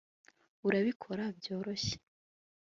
Urabikora byoroshye